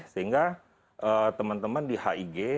sehingga teman teman di hig